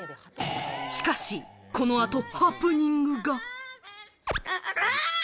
しかし、このあとハプニングが！